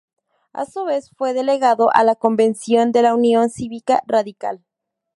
A su vez fue delegado a la convención de la Unión Cívica Radical.